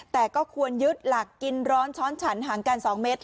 แต่ก็ควรยึดหลักกินร้อนช้อนฉันห่างกัน๒เมตร